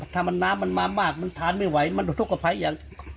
ถ้ามันน้ำมันมามากมันทานไม่ไหวมันถูกกระไพยัง